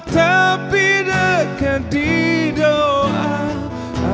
tapi dekat di doa